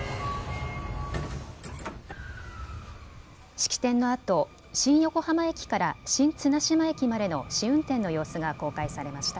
式典のあと新横浜駅から新綱島駅までの試運転の様子が公開されました。